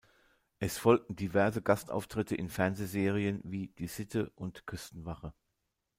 Es folgten diverse Gastauftritte in Fernsehserien wie "Die Sitte" und "Küstenwache".